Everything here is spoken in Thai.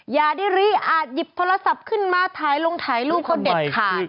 อย่าดิรีอาจหยิบโทรศัพท์ขึ้นมาถ่ายลงถ่ายรูปเขาเด็ดขาด